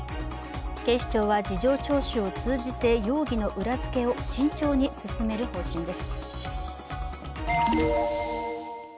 警視庁は事情聴取を通じて容疑の裏付けを慎重に進める方針です。